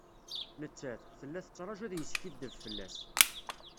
Nettat, tella tettraǧu ad yeskiddeb fell-as.